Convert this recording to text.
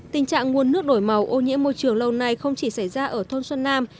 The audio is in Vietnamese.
tình trạng nguồn nước đổi màu ô nhiễm môi trường lâu nay không chỉ xảy ra ở thôn xuân nam